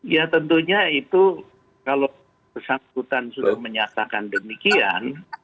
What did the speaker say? ya tentunya itu kalau bersangkutan sudah menyatakan demikian